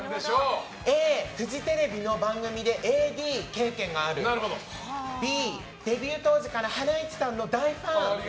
Ａ、フジテレビの番組でＡＤ経験があるＢ、デビュー当時からハライチさんの大ファン。